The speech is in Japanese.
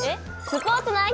スポーツの秋！